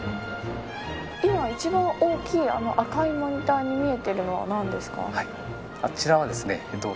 今一番大きい赤いモニターに見えているのは何ですか。